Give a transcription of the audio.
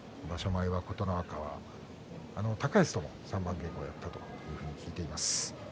前は琴ノ若は高安とも三番稽古をやったというふうに聞いています。